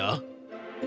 dia tidak perlu memikirkan